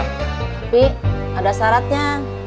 kopi ada syaratnya